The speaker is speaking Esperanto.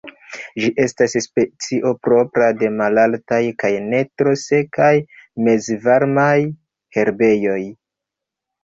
Ĝi estas specio propra de malaltaj kaj ne tro sekaj mezvarmaj herbejoj.